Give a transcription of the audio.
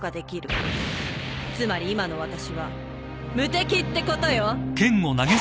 つまり今の私は無敵ってことよ！